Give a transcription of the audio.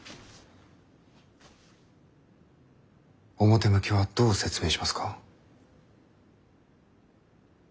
表向きはどう説明しますか？